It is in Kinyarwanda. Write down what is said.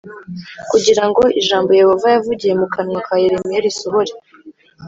kugira ngo ijambo Yehova yavugiye mu kanwa ka Yeremiya risohore